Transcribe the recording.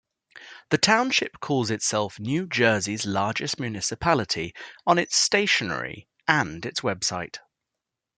The township calls itself "New Jersey's Largest Municipality" on its stationery and its website.